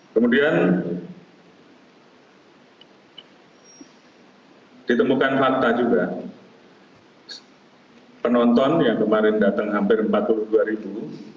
kemudian ditemukan fakta juga penonton yang kemarin datang hampir empat puluh dua ribu